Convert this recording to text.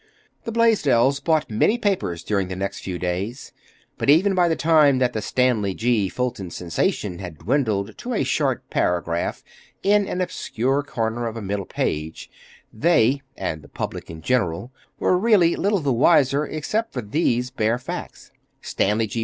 The Blaisdells bought many papers during the next few days. But even by the time that the Stanley G. Fulton sensation had dwindled to a short paragraph in an obscure corner of a middle page, they (and the public in general) were really little the wiser, except for these bare facts:— Stanley G.